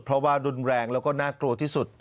เพราะว่ารุนแรงแล้วก็น่ากลัวที่สุด